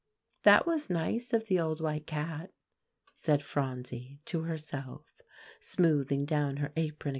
"That was nice of the old white cat," said Phronsie to herself, smoothing down her apron again in satisfaction.